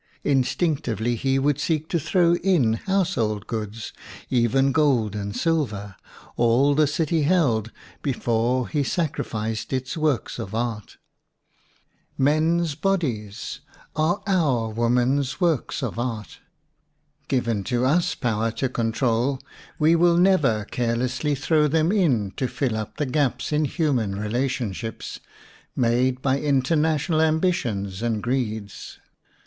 Instinc tively he would seek to throw in house hold goods, even gold and silver, all the city held, before he sacrificed its works of art! Men's bodies are our woman's works of art. Given to us power to control, we will never carelessly throw them in to fill up the gaps in human relation ships made by international ambitions and greeds.